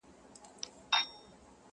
خپل عمل ورسره وړي خپل کردګار ته؛